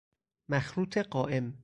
مخروط قائم